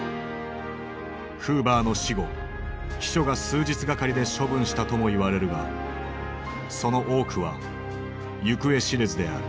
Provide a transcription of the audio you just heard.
フーバーの死後秘書が数日がかりで処分したともいわれるがその多くは行方知れずである。